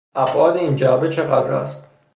ابعاد این جعبه چقدر است؟